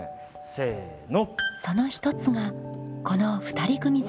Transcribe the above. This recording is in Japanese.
せの。